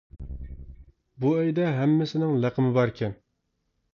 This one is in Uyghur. بۇ ئۆيدە ھەممىسىنىڭ لەقىمى بار ئىكەن.